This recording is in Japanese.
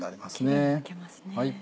キレイにむけますね。